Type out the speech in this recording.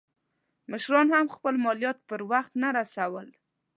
مشرانو هم خپل مالیات پر وخت نه رسول.